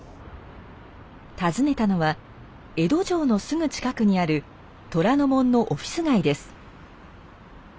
訪ねたのは江戸城のすぐ近くにある虎ノ門のオフィス街です。